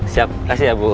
siap kasih ya bu